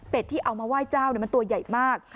ที่เอามาไหว้เจ้ามันตัวใหญ่มาก